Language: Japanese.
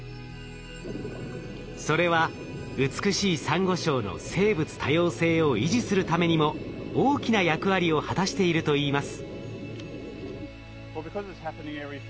それは美しいサンゴ礁の生物多様性を維持するためにも大きな役割を果たしているといいます。